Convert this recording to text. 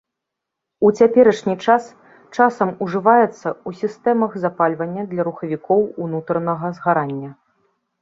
У цяперашні час часам ужываецца ў сістэмах запальвання для рухавікоў унутранага згарання.